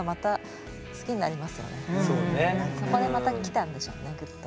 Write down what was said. そこでまたきたんでしょうねグッと。